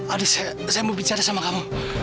adik saya mau bicara sama kamu